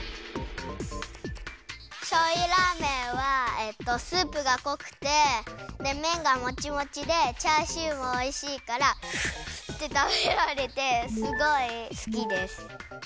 しょうゆラーメンはスープがこくてでめんがモチモチでチャーシューもおいしいからズズッてたべられてすごいすきです。